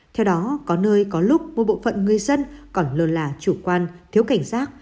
theo đó có nơi có lúc một bộ phận người dân còn lơ là chủ quan thiếu cảnh giác